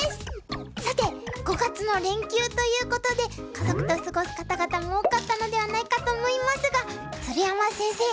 さて５月の連休ということで家族と過ごす方々も多かったのではないかと思いますが鶴山先生